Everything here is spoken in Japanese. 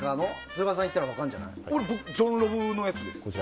菅原さんに言ったら分かるんじゃない。